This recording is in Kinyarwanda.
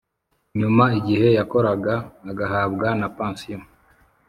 nyuma igihe yakoraga agahabwa na pansiyo